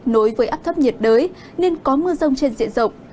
nối với áp thấp nhiệt đới nên có mưa rông trên diện rộng